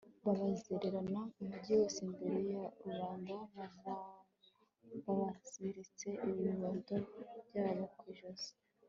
babazererana umugi wose imbere ya rubanda babaziritse ibibondo byabo ku ijosi